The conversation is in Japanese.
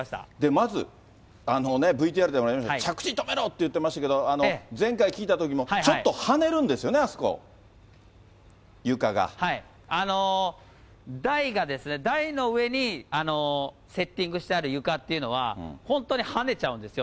まず、ＶＴＲでもやりました、着地止めろって言ってましたけど、全開聞いたときも、ちょっと跳ねるんですよね、台がですね、台の上にセッティングしてあるゆかっていうのは、本当に跳ねちゃうんですよ。